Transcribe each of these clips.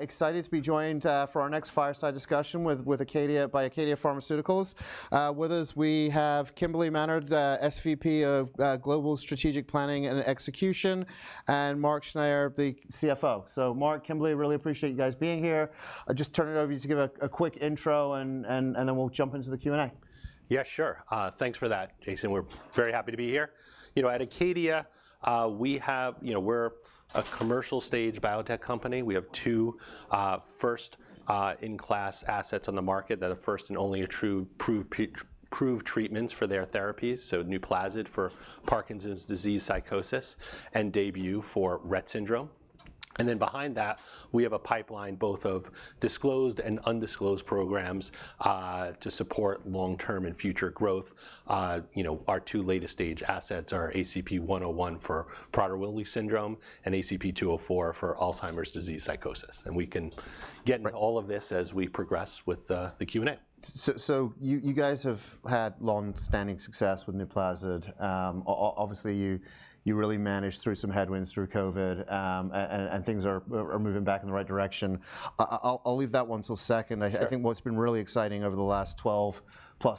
Excited to be joined for our next fireside discussion with Acadia by Acadia Pharmaceuticals. With us, we have Kimberly Manhard, SVP of Global Strategic Planning and Execution, and Mark Schneyer, the CFO. So Mark, Kimberly, really appreciate you guys being here. I'll just turn it over to you to give a quick intro, and then we'll jump into the Q&A. Yeah, sure. Thanks for that, Jason. We're very happy to be here. You know, at Acadia, we have, you know, we're a commercial stage biotech company. We have two, first-in-class assets on the market that are first and only a true approved, approved treatments for their therapies, so NUPLAZID for Parkinson's disease psychosis, and DAYBUE for Rett syndrome. And then behind that, we have a pipeline both of disclosed and undisclosed programs, to support long-term and future growth. You know, our two latest stage assets are ACP-101 for Prader-Willi syndrome and ACP-204 for Alzheimer's disease psychosis, and we can get into all of this as we progress with the Q&A. So, you guys have had long-standing success with NUPLAZID. Obviously, you really managed through some headwinds through COVID, and things are moving back in the right direction. I'll leave that one till second. Sure. I think what's been really exciting over the last 12+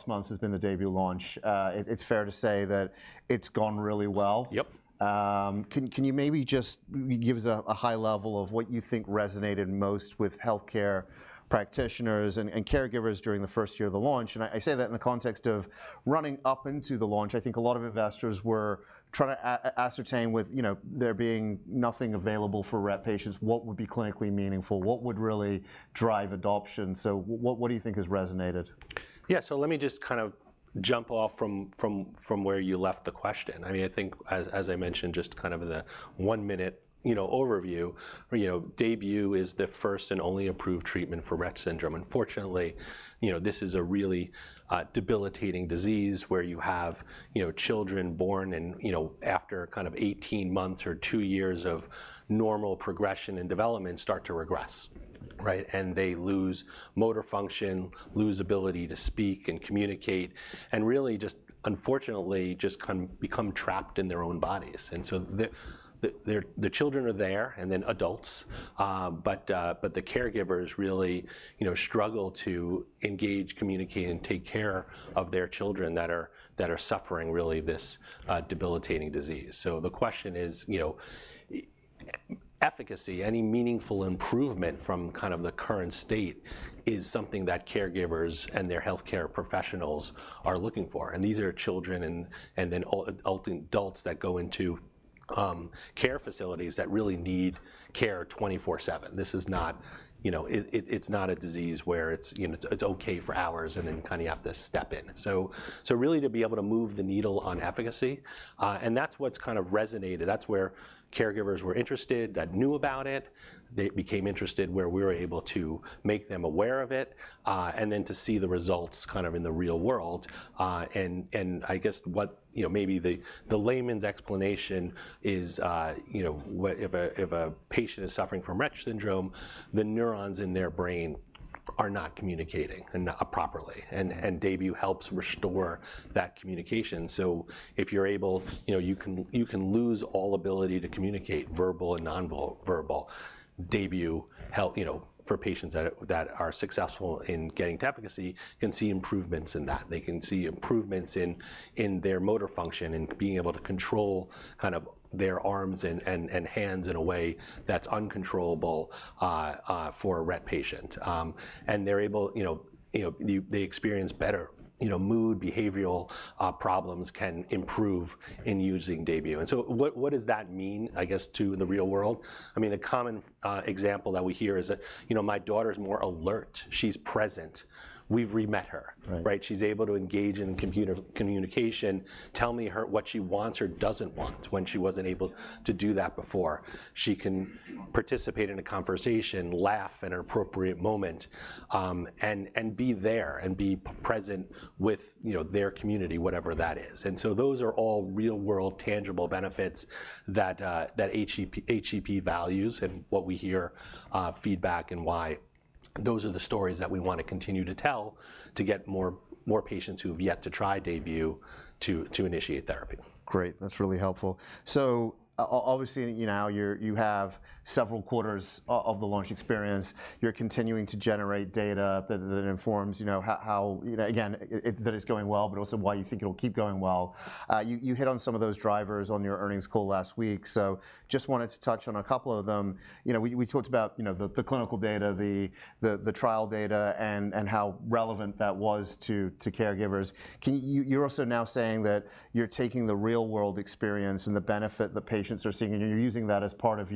months has been the DAYBUE launch. It's fair to say that it's gone really well. Yep. Can you maybe just give us a high level of what you think resonated most with healthcare practitioners and caregivers during the first year of the launch? And I say that in the context of running up into the launch, I think a lot of investors were trying to ascertain with, you know, there being nothing available for Rett patients, what would be clinically meaningful, what would really drive adoption? So what do you think has resonated? Yeah, so let me just kind of jump off from where you left the question. I mean, I think as I mentioned, just kind of in a 1-minute, you know, overview, you know, DAYBUE is the first and only approved treatment for Rett syndrome. Unfortunately, you know, this is a really debilitating disease where you have, you know, children born and, you know, after kind of 18 months or 2 years of normal progression and development, start to regress, right? And they lose motor function, lose ability to speak and communicate, and really just, unfortunately, just kind of become trapped in their own bodies. And so the children are there, and then adults, but the caregivers really, you know, struggle to engage, communicate, and take care of their children that are suffering really this debilitating disease. So the question is, you know, efficacy, any meaningful improvement from kind of the current state is something that caregivers and their healthcare professionals are looking for, and these are children and adults that go into care facilities that really need care 24/7. This is not, you know. It, it's not a disease where it's, you know, it's okay for hours, and then you kind of have to step in. So really, to be able to move the needle on efficacy, and that's what's kind of resonated. That's where caregivers were interested that knew about it. They became interested where we were able to make them aware of it, and then to see the results kind of in the real world. I guess what, you know, maybe the layman's explanation is, you know, if a patient is suffering from Rett syndrome, the neurons in their brain are not communicating and not properly, and DAYBUE helps restore that communication. So if you're able, you know, you can lose all ability to communicate, verbal and nonverbal. DAYBUE help, you know, for patients that are successful in getting to efficacy, can see improvements in that. They can see improvements in their motor function and being able to control kind of their arms and hands in a way that's uncontrollable for a Rett patient. And they're able, you know, they experience better, you know, mood, behavioral problems can improve in using DAYBUE. So what does that mean, I guess, to the real world? I mean, a common example that we hear is that, "You know, my daughter's more alert. She's present. We've re-met her. Right. Right? She's able to engage in computer communication, tell me her- what she wants or doesn't want, when she wasn't able to do that before. She can participate in a conversation, laugh at an appropriate moment, and be there and be present with, you know, their community, whatever that is." And so those are all real-world, tangible benefits that that HCP values, and what we hear feedback, and why those are the stories that we want to continue to tell to get more patients who have yet to try DAYBUE to initiate therapy. Great. That's really helpful. So obviously, you know, now you have several quarters of the launch experience. You're continuing to generate data that informs, you know, how, you know, again, that it's going well, but also why you think it'll keep going well. You hit on some of those drivers on your earnings call last week, so just wanted to touch on a couple of them. You know, we talked about, you know, the clinical data, the trial data, and how relevant that was to caregivers. Can you. You're also now saying that you're taking the real-world experience and the benefit the patients are seeing, and you're using that as part of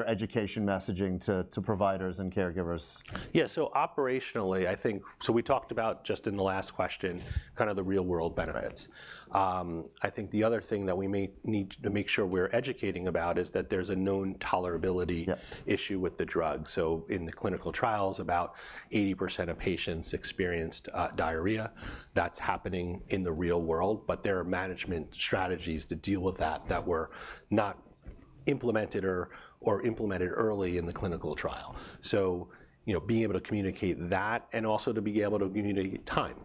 your education messaging to providers and caregivers. Yeah, so operationally, I think, so we talked about, just in the last question, kind of the real-world benefits. I think the other thing that we may need to make sure we're educating about is that there's a known tolerability. Yep Issue with the drug. So in the clinical trials, about 80% of patients experienced diarrhea. That's happening in the real world, but there are management strategies to deal with that, that were not implemented or implemented early in the clinical trial. So, you know, being able to communicate that and also to be able to communicate time.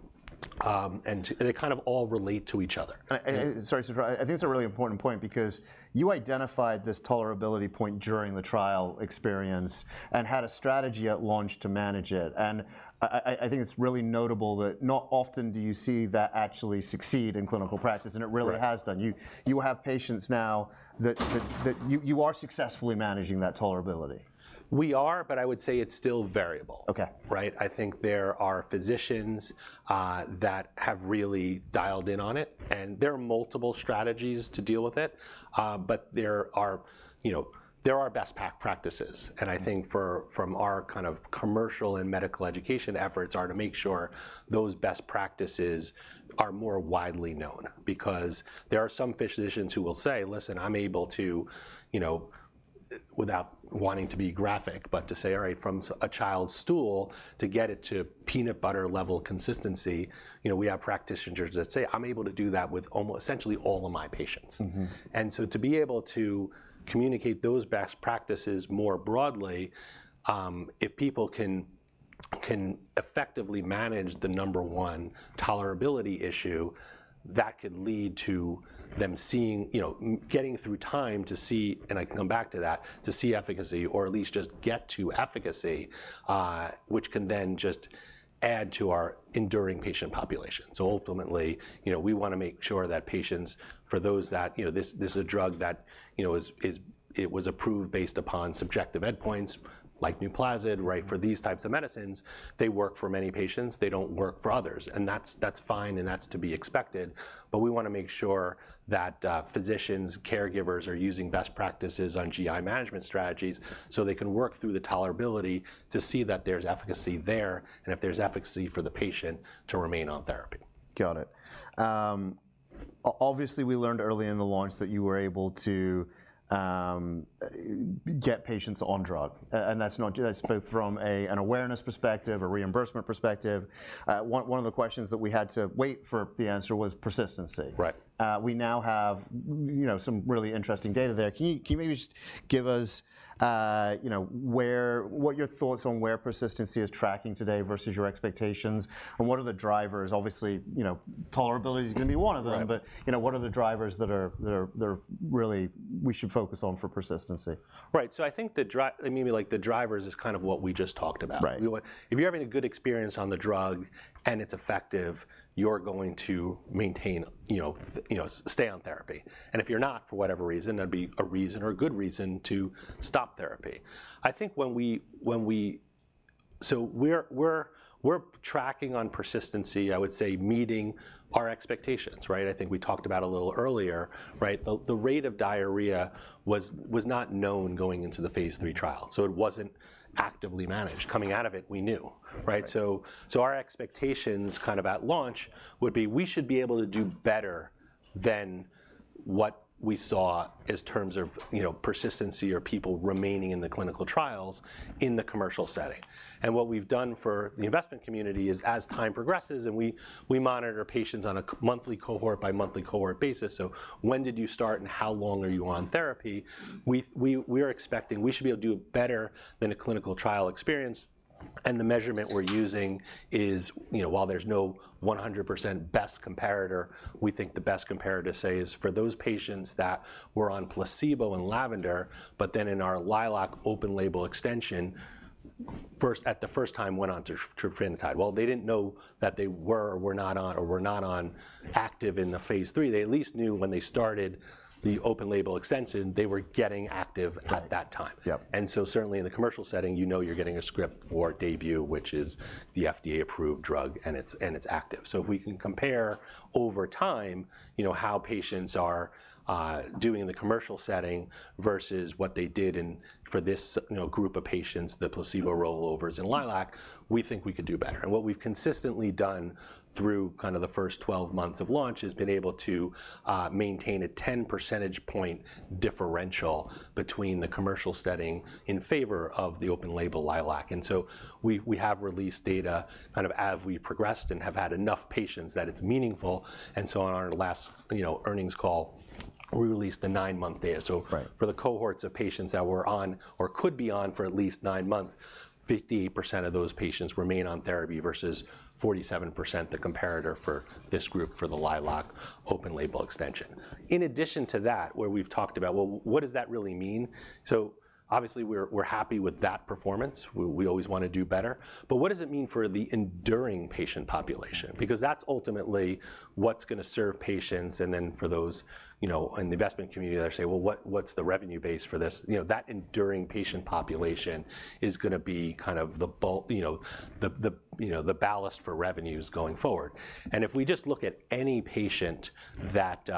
And they kind of all relate to each other. And sorry to interrupt. I think it's a really important point, because you identified this tolerability point during the trial experience, and had a strategy at launch to manage it. And I think it's really notable that not often do you see that actually succeed in clinical practice and it really has done. You have patients now that you are successfully managing that tolerability. We are, but I would say it's still variable. Okay. Right? I think there are physicians that have really dialed in on it, and there are multiple strategies to deal with it. But there are, you know, there are best practices. I think for, from our kind of commercial and medical education efforts, are to make sure those best practices are more widely known. Because there are some physicians who will say, "Listen, I'm able to". You know, without wanting to be graphic, but to say, "All right, from a child's stool, to get it to peanut butter level consistency," you know, we have practitioners that say, "I'm able to do that with essentially all of my patients. Mm-hmm. And so to be able to communicate those best practices more broadly, if people can effectively manage the number one tolerability issue, that could lead to them seeing. You know, getting through time to see, and I can come back to that, to see efficacy or at least just get to efficacy, which can then just add to our enduring patient population. So ultimately, you know, we wanna make sure that patients, for those that. You know, this is a drug that, you know, is, it was approved based upon subjective endpoints, like NUPLAZID, right? For these types of medicines, they work for many patients, they don't work for others, and that's, that's fine, and that's to be expected. But we wanna make sure that, physicians, caregivers, are using best practices on GI management strategies, so they can work through the tolerability to see that there's efficacy there, and if there's efficacy for the patient to remain on therapy. Got it. Obviously, we learned early in the launch that you were able to get patients on drug. And that's not. That's both from a, an awareness perspective, a reimbursement perspective. One of the questions that we had to wait for the answer was persistency. Right. We now have, you know, some really interesting data there. Can you, can you maybe just give us, you know, what your thoughts on where persistency is tracking today versus your expectations, and what are the drivers? Obviously, you know, tolerability is gonna be one of them. But, you know, what are the drivers that are really we should focus on for persistency? Right. So I think the, I mean, like the drivers is kind of what we just talked about. Right. We want. If you're having a good experience on the drug and it's effective, you're going to maintain, you know, stay on therapy. And if you're not, for whatever reason, there'd be a reason or a good reason to stop therapy. I think. So we're tracking on persistency, I would say, meeting our expectations, right? I think we talked about a little earlier, right, the rate of diarrhea was not known going into the phase 3 trial, so it wasn't actively managed. Coming out of it, we knew, right? So, our expectations kind of at launch would be, we should be able to do better than what we saw in terms of, you know, persistency or people remaining in the clinical trials in the commercial setting. And what we've done for the investment community is, as time progresses, and we are expecting we should be able to do better than a clinical trial experience. And the measurement we're using is, you know, while there's no 100% best comparator, we think the best comparator, say, is for those patients that were on placebo in LAVENDER, but then in our LILAC open-label extension, at the first time went on to trofinetide. Well, they didn't know that they were or were not on, or were not on active in the phase 3. They at least knew when they started the open-label extension, they were getting active at that time. Yep. Certainly in the commercial setting, you know you're getting a script for DAYBUE, which is the FDA-approved drug, and it's, and it's active. So if we can compare over time, you know, how patients are doing in the commercial setting versus what they did in for this group of patients, the placebo rollovers in LILAC, we think we could do better. And what we've consistently done through kind of the first 12 months of launch has been able to maintain a 10 percentage point differential between the commercial setting in favor of the open-label LILAC. And so we have released data, kind of as we progressed, and have had enough patients that it's meaningful. And so on our last, you know, earnings call, we released the nine-month data. Right. So for the cohorts of patients that were on or could be on for at least nine months, 58% of those patients remain on therapy versus 47%, the comparator for this group, for the LILAC open-label extension. In addition to that, where we've talked about, well, what does that really mean? So obviously, we're, we're happy with that performance. We, we always want to do better. But what does it mean for the enduring patient population? Because that's ultimately what's gonna serve patients, and then for those, you know, in the investment community that say, "Well, what, what's the revenue base for this?" You know, that enduring patient population is gonna be kind of the, you know, the ballast for revenues going forward. And if we just look at any patient that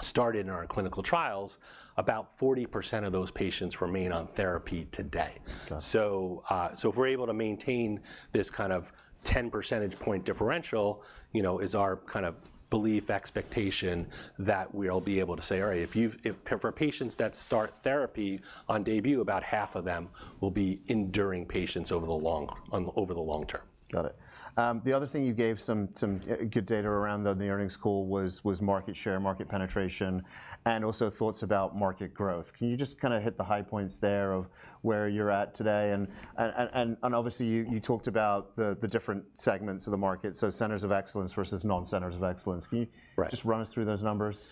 started in our clinical trials, about 40% of those patients remain on therapy today. Got it. So, so if we're able to maintain this kind of 10 percentage point differential, you know, is our kind of belief expectation that we'll be able to say, "All right, if you've" If, for patients that start therapy on DAYBUE, about half of them will be enduring patients over the long term. Got it. The other thing you gave some good data around on the earnings call was market share, market penetration, and also thoughts about market growth. Can you just kind of hit the high points there of where you're at today? And obviously, you talked about the different segments of the market, so Centers of Excellence versus non-centers of excellence. Can you? Right Just run us through those numbers?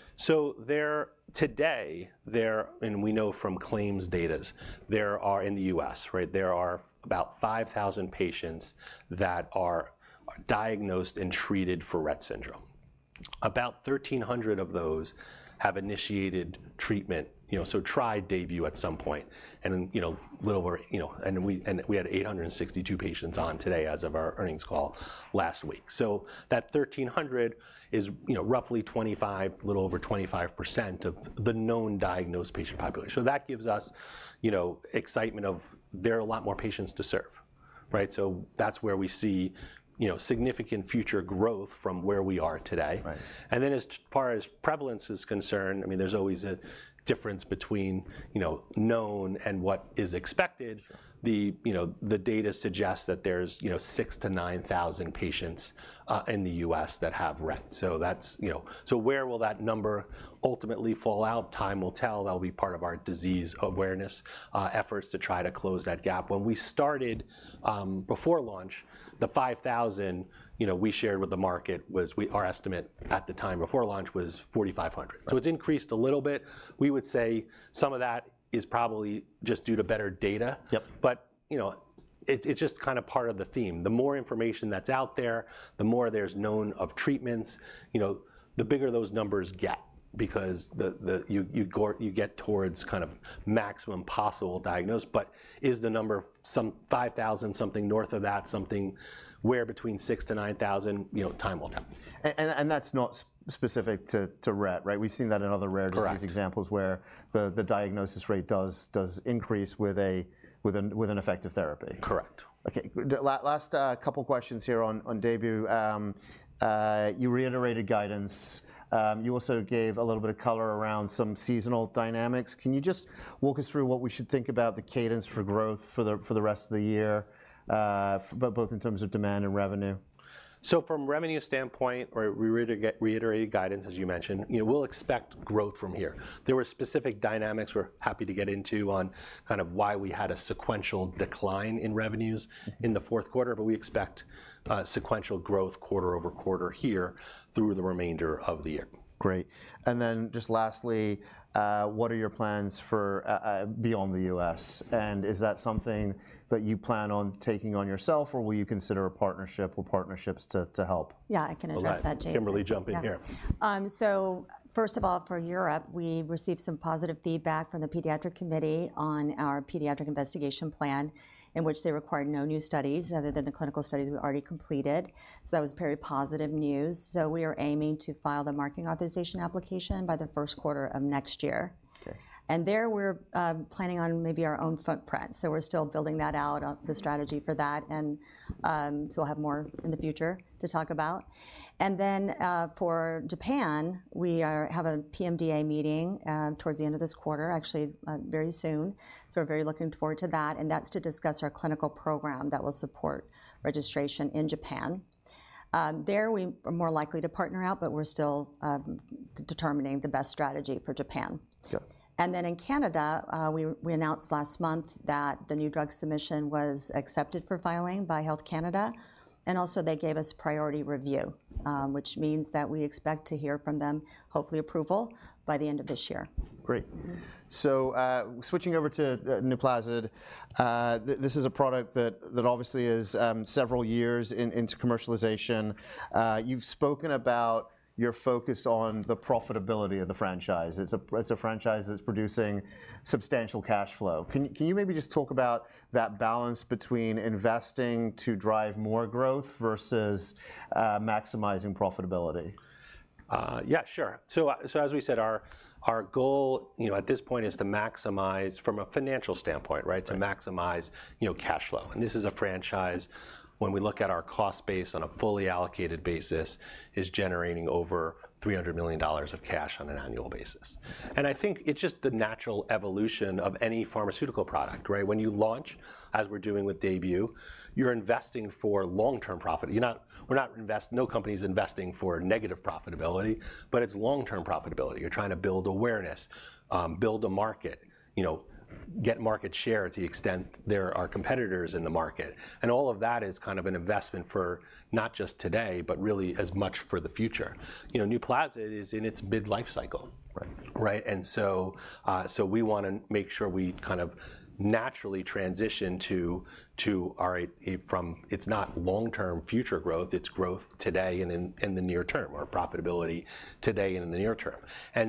Today, there, and we know from claims data, there are, in the U.S., right, there are about 5,000 patients that are diagnosed and treated for Rett syndrome. About 1,300 of those have initiated treatment, you know, so tried DAYBUE at some point, and, you know, little over, you know, and we, and we had 862 patients on today as of our earnings call last week. So that 1,300 is, you know, roughly 25, a little over 25% of the known diagnosed patient population. So that gives us, you know, excitement of there are a lot more patients to serve, right? So that's where we see, you know, significant future growth from where we are today. Right. And then as far as prevalence is concerned, I mean, there's always a difference between, you know, known and what is expected. Sure. You know, the data suggests that there's you know, 6,000-9,000 patients in the US that have Rett. So that's you know. So where will that number ultimately fall out? Time will tell. That'll be part of our disease awareness efforts to try to close that gap. When we started, before launch, the 5,000 you know we shared with the market was our estimate at the time before launch was 4,500. Right. It's increased a little bit. We would say some of that is probably just due to better data. Yep. But, you know, it's just kind of part of the theme. The more information that's out there, the more there's known of treatments, you know, the bigger those numbers get because you get towards kind of maximum possible diagnosed. But is the number some 5,000, something north of that, something where between 6,000-9,000? You know, time will tell. That's not specific to Rett, right? We've seen that in other rare disease. Correct Examples where the diagnosis rate does increase with an effective therapy. Correct. Okay, last couple questions here on, on DAYBUE. You reiterated guidance, you also gave a little bit of color around some seasonal dynamics. Can you just walk us through what we should think about the cadence for growth for the, for the rest of the year, both in terms of demand and revenue? From revenue standpoint, we reiterate guidance, as you mentioned. You know, we'll expect growth from here. There were specific dynamics we're happy to get into on kind of why we had a sequential decline in revenues in the fourth quarter, but we expect sequential growth quarter over quarter here through the remainder of the year. Great. And then just lastly, what are your plans for beyond the U.S., and is that something that you plan on taking on yourself, or will you consider a partnership or partnerships to help? Yeah, I can address that, Jason. All right, Kimberly, jump in here. Yeah. First of all, for Europe, we received some positive feedback from the Pediatric Committee on our Pediatric Investigation Plan, in which they required no new studies other than the clinical studies we already completed, so that was very positive news. So we are aiming to file the Marketing Authorization Application by the first quarter of next year. Okay. There, we're planning on maybe our own footprint, so we're still building that out, the strategy for that, and so we'll have more in the future to talk about. Then, for Japan, we have a PMDA meeting towards the end of this quarter, actually, very soon, so we're very looking forward to that, and that's to discuss our clinical program that will support registration in Japan. There, we are more likely to partner out, but we're still determining the best strategy for Japan. Yeah. And then, in Canada, we announced last month that the New Drug Submission was accepted for filing by Health Canada, and also they gave us Priority Review, which means that we expect to hear from them, hopefully approval, by the end of this year. Great. Mm-hmm. So, switching over to NUPLAZID, this is a product that obviously is several years into commercialization. You've spoken about your focus on the profitability of the franchise. It's a franchise that's producing substantial cash flow. Can you maybe just talk about that balance between investing to drive more growth versus maximizing profitability? Yeah, sure. So, as we said, our goal, you know, at this point, is to maximize from a financial standpoint, right? Right. To maximize, you know, cash flow. And this is a franchise, when we look at our cost base on a fully allocated basis, is generating over $300 million of cash on an annual basis. And I think it's just the natural evolution of any pharmaceutical product, right? When you launch, as we're doing with DAYBUE, you're investing for long-term profit. You're not. We're not investing. No company's investing for negative profitability, but it's long-term profitability. You're trying to build awareness, build a market, you know, get market share to the extent there are competitors in the market, and all of that is kind of an investment for not just today, but really as much for the future. You know, NUPLAZID is in its midlife cycle. Right. Right? So we wanna make sure we kind of naturally transition to our from. It's not long-term future growth, it's growth today and in the near term, or profitability today and in the near term.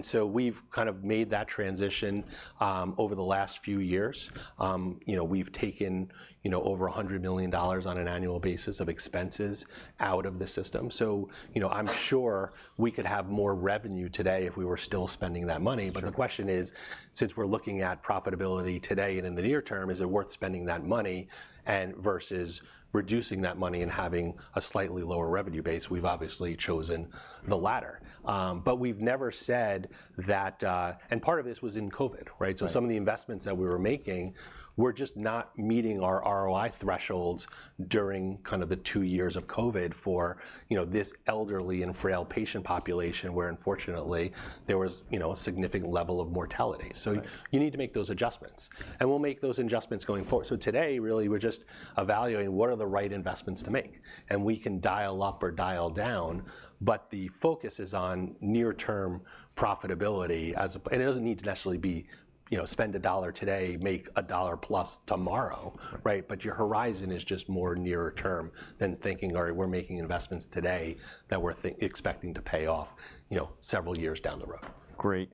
So we've kind of made that transition over the last few years. You know, we've taken, you know, over $100 million on an annual basis of expenses out of the system. So, you know, I'm sure we could have more revenue today if we were still spending that money. But the question is, since we're looking at profitability today and in the near term, is it worth spending that money and versus reducing that money and having a slightly lower revenue base? We've obviously chosen the latter. But we've never said that. And part of this was in COVID, right? Right. So some of the investments that we were making were just not meeting our ROI thresholds during kind of the two years of COVID for, you know, this elderly and frail patient population, where unfortunately, there was, you know, a significant level of mortality. Right. So you need to make those adjustments, and we'll make those adjustments going forward. So today, really, we're just evaluating what are the right investments to make, and we can dial up or dial down, but the focus is on near-term profitability and it doesn't need to necessarily be, you know, spend a dollar today, make a dollar plus tomorrow, right? But your horizon is just more nearer term than thinking, "All right, we're making investments today that we're expecting to pay off, you know, several years down the road. Great.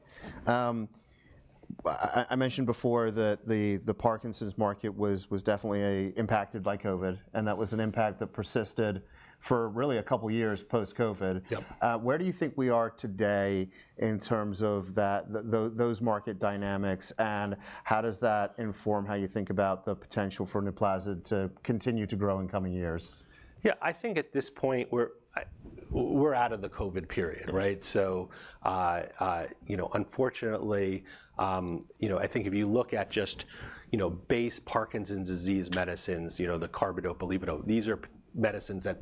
I mentioned before that the Parkinson's market was definitely impacted by COVID, and that was an impact that persisted for really a couple years post-COVID. Yep. Where do you think we are today in terms of that, those market dynamics, and how does that inform how you think about the potential for NUPLAZID to continue to grow in coming years? Yeah, I think at this point, we're out of the COVID period, right? So, you know, unfortunately, you know, I think if you look at just, you know, base Parkinson's disease medicines, you know, the carbidopa-levodopa, these are medicines that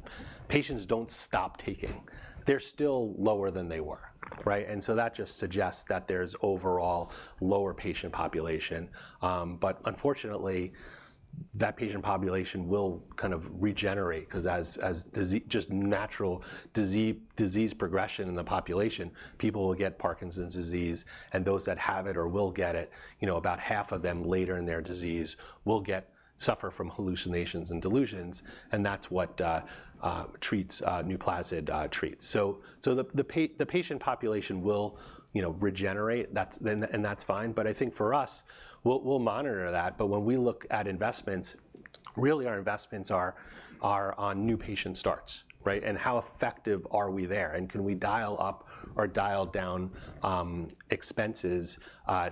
patients don't stop taking. They're still lower than they were, right? And so that just suggests that there's overall lower patient population. But unfortunately, that patient population will kind of regenerate, 'cause as just natural disease progression in the population, people will get Parkinson's disease, and those that have it or will get it, you know, about half of them later in their disease will get suffer from hallucinations and delusions, and that's what NUPLAZID treats. So the patient population will, you know, regenerate, that's then, and that's fine. But I think for us, we'll monitor that, but when we look at investments, really, our investments are on new patient starts, right? And how effective are we there, and can we dial up or dial down expenses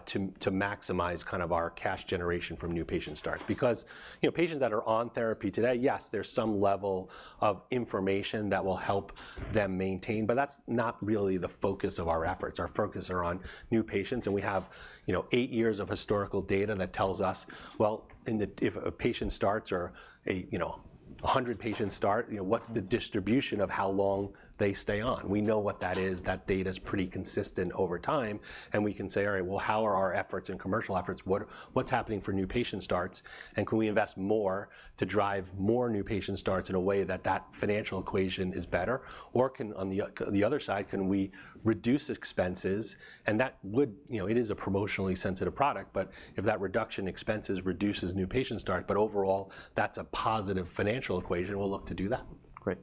to maximize kind of our cash generation from new patient starts? Because, you know, patients that are on therapy today, yes, there's some level of information that will help them maintain, but that's not really the focus of our efforts. Our focus are on new patients, and we have, you know, 8 years of historical data that tells us, well, if a patient starts, you know, 100 patients start, you know, what's the distribution of how long they stay on? We know what that is. That data's pretty consistent over time, and we can say, "All right, well, how are our efforts and commercial efforts, what's happening for new patient starts, and can we invest more to drive more new patient starts in a way that that financial equation is better? Or can, on the other side, can we reduce expenses?" And that would. You know, it is a promotionally sensitive product, but if that reduction in expenses reduces new patient start, but overall that's a positive financial equation, we'll look to do that. Great.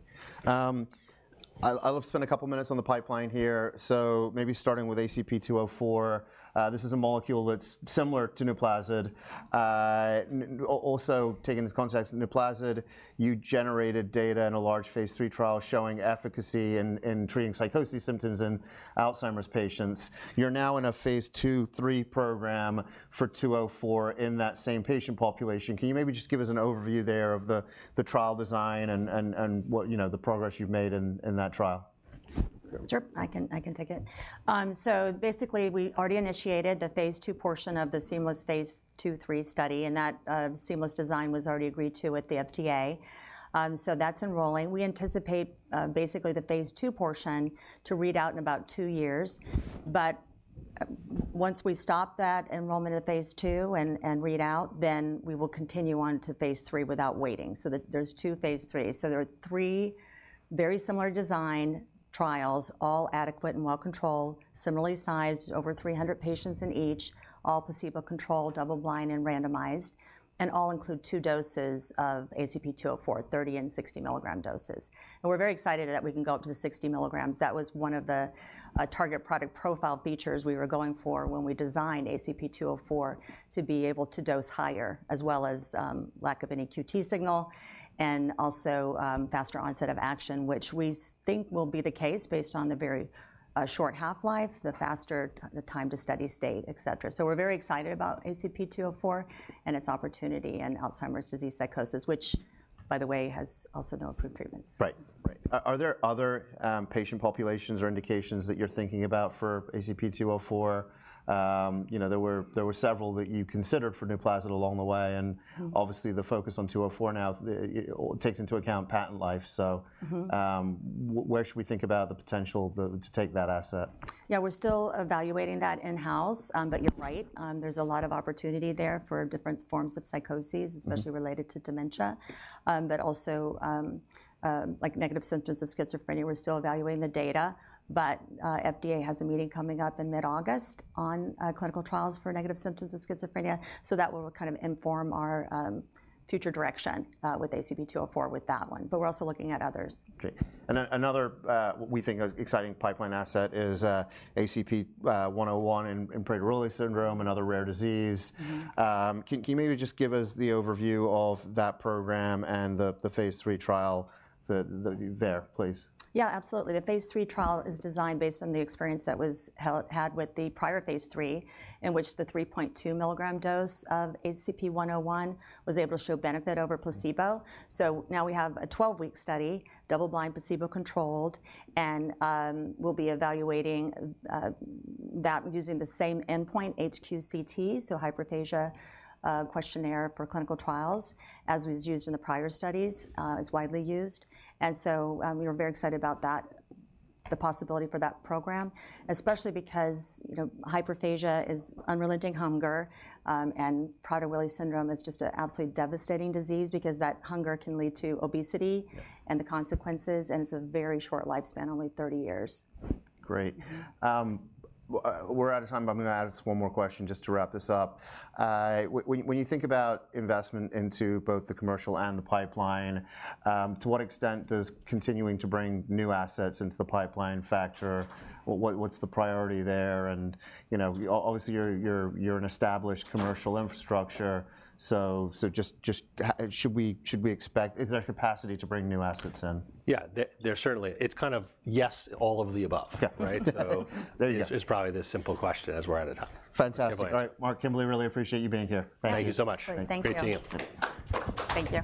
I'll spend a couple minutes on the pipeline here. So maybe starting with ACP-204, this is a molecule that's similar to NUPLAZID. Also talk in this context, NUPLAZID, you generated data in a large phase 3 trial showing efficacy in treating psychosis symptoms in Alzheimer's patients. You're now in a phase 2/3 program for 204 in that same patient population. Can you maybe just give us an overview there of the trial design and what, you know, the progress you've made in that trial? Sure, I can, I can take it. So basically, we already initiated the phase 2 portion of the seamless phase 2/3 study, and that, seamless design was already agreed to with the FDA. So that's enrolling. We anticipate, basically the phase 2 portion to read out in about two years. But, once we stop that enrollment at phase 2 and read out, then we will continue on to phase 3 without waiting. So there, there's two phase 3s. So there are three very similar design trials, all adequate and well-controlled, similarly sized, over 300 patients in each, all placebo-controlled, double-blind, and randomized, and all include two doses of ACP-204, 30 and 60 milligram doses. And we're very excited that we can go up to the 60 milligrams. That was one of the target product profile features we were going for when we designed ACP-204, to be able to dose higher, as well as lack of a QT signal, and also faster onset of action, which we think will be the case, based on the very short half-life, the faster the time to steady state, et cetera. So we're very excited about ACP-204 and its opportunity in Alzheimer's disease psychosis, which, by the way, has also no approved treatments. Right. Right. Are there other patient populations or indications that you're thinking about for ACP-204? You know, there were, there were several that you considered for NUPLAZID along the way, and. Mm Obviously, the focus on 204 now takes into account patent life, so. Mm-hmm Where should we think about the potential, the, to take that asset? Yeah, we're still evaluating that in-house. But you're right. There's a lot of opportunity there for different forms of psychoses. Mm Especially related to dementia. But also, like negative symptoms of schizophrenia. We're still evaluating the data, but FDA has a meeting coming up in mid-August on clinical trials for negative symptoms of schizophrenia, so that will kind of inform our future direction with ACP-204, with that one, but we're also looking at others. Great. And then another, what we think is exciting pipeline asset is, ACP-101 in Prader-Willi syndrome, another rare disease. Mm-hmm. Can you maybe just give us the overview of that program and the phase 3 trial there, please? Yeah, absolutely. The phase 3 trial is designed based on the experience that was had with the prior phase 3, in which the 3.2 mg dose of ACP-101 was able to show benefit over placebo. So now we have a 12-week study, double-blind, placebo-controlled, and we'll be evaluating that using the same endpoint, HQ-CT, so Hyperphagia Questionnaire for Clinical Trials, as was used in the prior studies, it's widely used. And so, we were very excited about that, the possibility for that program, especially because, you know, hyperphagia is unrelenting hunger, and Prader-Willi syndrome is just a absolutely devastating disease because that hunger can lead to obesity. Yeah And the consequences, and it's a very short lifespan, only 30 years. Great. We're out of time, but I'm gonna add just one more question, just to wrap this up. When you think about investment into both the commercial and the pipeline, to what extent does continuing to bring new assets into the pipeline factor? What's the priority there? And, you know, obviously, you're an established commercial infrastructure, so just should we expect. Is there capacity to bring new assets in? Yeah, there certainly, it's kind of, yes, all of the above. Yeah, right. So. There you go. It's probably the simple question, as we're out of time. Fantastic. Okay. All right, Mark, Kimberly, really appreciate you being here. Thank you. Thank you so much. Thank you. Great seeing you. Thank you.